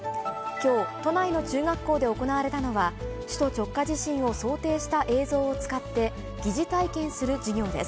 きょう、都内の中学校で行われたのは、首都直下地震を想定した映像を使って、疑似体験する授業です。